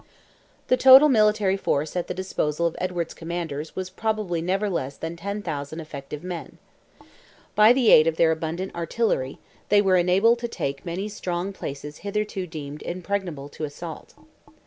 The total military force at the disposal of Edward's commanders was probably never less than 10,000 effective men. By the aid of their abundant artillery, they were enabled to take many strong places hitherto deemed impregnable to assault.